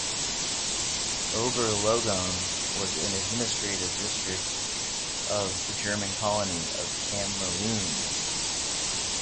Ober-Logone was an administrative district of the German colony of Cameroon.